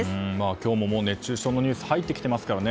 今日も熱中症のニュースが入ってきてますからね